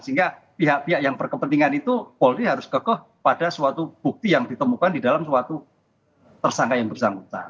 sehingga pihak pihak yang berkepentingan itu polri harus kekeh pada suatu bukti yang ditemukan di dalam suatu tersangka yang bersangkutan